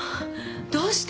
どうして？